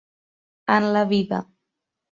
En la vida.